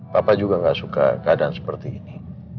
papa juga nggak suka keadaan seperti ini